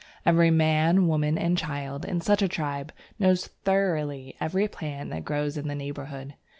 Every man, woman, and child in such a tribe knows thoroughly every plant that grows in the neighbourhood.